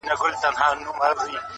ښایسته یې چټه ښکلې ګلالۍ کړه!.